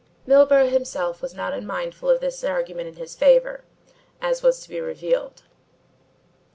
Milburgh himself was not unmindful of this argument in his favour, as was to be revealed.